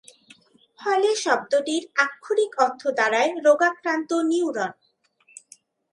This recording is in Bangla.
ফলে শব্দটির আক্ষরিক অর্থ দাঁড়ায়: রোগাক্রান্ত নিউরন।